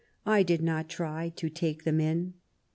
I did not try to take them in."